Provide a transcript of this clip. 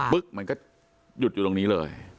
ปึ๊บมันก็หยุดจุดลงนี้เลย